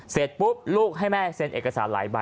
เสร็จปุ๊บลูกให้แม่เซ็นเอกสารหลายใบ